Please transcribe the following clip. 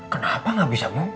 kenapa gak bisa bu